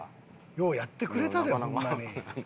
ようやってくれたでホンマに。